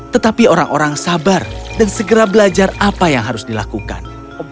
tetapi orang orang sabar dan segera belajar apa yang harus dilakukan